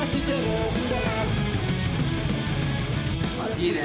いいね。